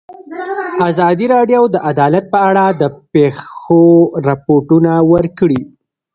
ازادي راډیو د عدالت په اړه د پېښو رپوټونه ورکړي.